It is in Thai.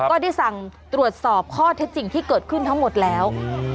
ก็ได้สั่งตรวจสอบข้อเท็จจริงที่เกิดขึ้นทั้งหมดแล้ว